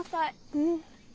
うん。